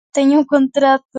Teño un contrato.